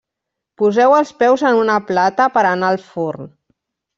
Poseu els peus en una plata per anar al forn.